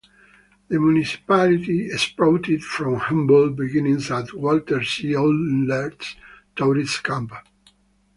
The municipality sprouted from humble beginnings at Walter C. Ohlerts Tourist Camp.